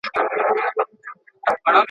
آیا انټرنیټ د پوهې ډېوه نوره هم روښانه کړې ده؟